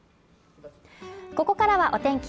ここからはお天気